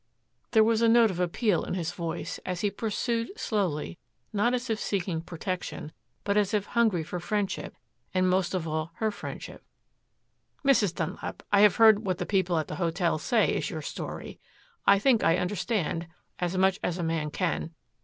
There was a note of appeal in his voice as he pursued slowly, not as if seeking protection, but as if hungry for friendship and most of all her friendship, "Mrs. Dunlap, I have heard what the people at the hotel say is your story. I think I understand, as much as a man can.